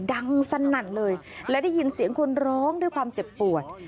ดังสนั่นเลยและได้ยินเสียงคนร้องด้วยความเจ็บปวด